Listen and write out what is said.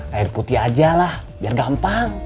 air putih aja lah biar gampang